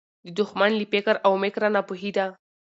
د دښمن له فکر او مِکره ناپوهي ده